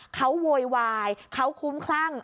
เขาโวยวายเขาคุ้มคลั่ง